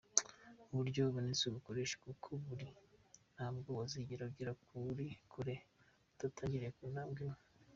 Uburyo bubonetse ubukoresha uko buri, ntabwo wazigera ugera kure udatangiriye ku ntambwe imwe.